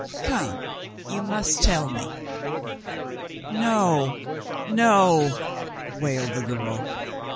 Come, vou must tell me." "No, no," wailed the girl.